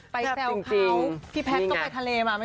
ไปแซ่วเค้า